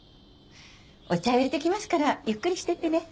お茶を入れてきますからゆっくりしてってね。